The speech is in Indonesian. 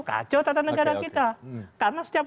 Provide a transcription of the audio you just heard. kacau tata negara kita karena setiap